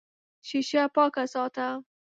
شیشه پاکه ساته.